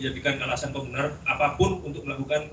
jadi jadikan alasan pengenal apapun untuk melakukan